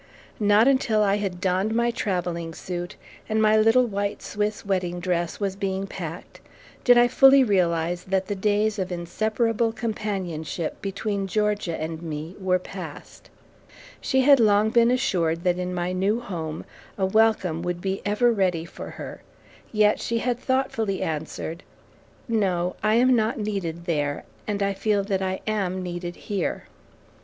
Not until I had donned my travelling suit, and my little white Swiss wedding dress was being packed, did I fully realize that the days of inseparable companionship between Georgia and me were past; She had long been assured that in my new home a welcome would be ever ready for her, yet she had thoughtfully answered, "No, I am not needed there, and I feel that I am needed here."